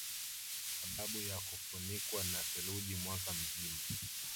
Sababu ya kufunikwa na theluji mwaka mzima